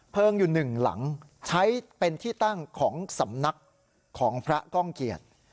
อยู่หนึ่งหลังใช้เป็นที่ตั้งของสำนักของพระก้องเกียจ